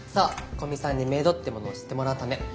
古見さんにメイドってものを知ってもらうため。